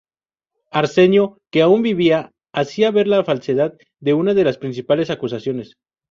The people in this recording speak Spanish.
Arsenio, que aún vivía, hacía ver la falsedad de una de las principales acusaciones.